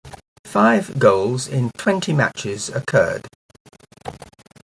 Five goals in twenty matches occurred.